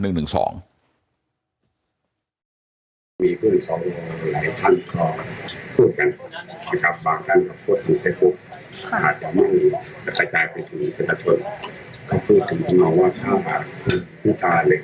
คุณพิธาเหล็กภาคก้าวใจเนี่ยยืนยันนะครับในสภาคด้วยเกียรติของพิธาแล้ว